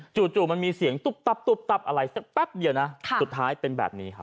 จู่มันมีเสียงตุ๊บตับตุ๊บตับอะไรสักแป๊บเดียวนะสุดท้ายเป็นแบบนี้ครับ